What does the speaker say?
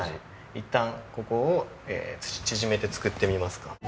いったんここを縮めて作ってみますか。